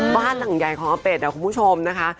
บ้านหลังใหญ่ของอาเป็ดคุณผู้ชมนะคะ